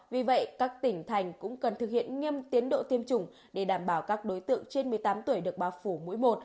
vì vậy các tỉnh thành cũng cần thực hiện nghiêm tiến độ tiêm chủng để đảm bảo các đối tượng trên một mươi tám tuổi được bao phủ mũi một